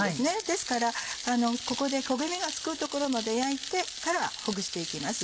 ですからここで焦げ目がつくところまで焼いてからほぐして行きます。